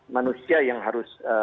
manusia yang harus